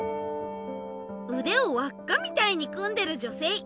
うでをわっかみたいに組んでる女性。